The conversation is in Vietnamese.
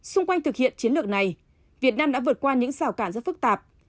xung quanh thực hiện chiến lược này việt nam đã vượt qua những rào cản rất phức tạp